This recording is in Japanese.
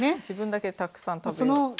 自分だけたくさん食べる。